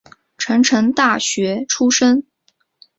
成城大学出身。